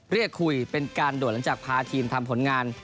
เรียกคุยเป็นการด่วนหลังจากพาทีมทำผลงาน